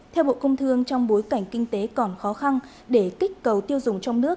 theo bộ công thương trong bối cảnh kinh tế còn khó khăn để kích cầu tiêu dùng trong nước